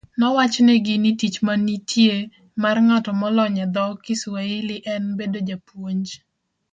Nowachnigi ni tich manitie mar ng'at molonye dho Kiswahili en bedo japuonj